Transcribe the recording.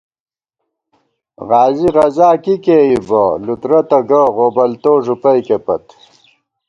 غازی غزاکی کېئیبہ لُترہ تہ گہ غوبلتو ݫُپَئیکےپت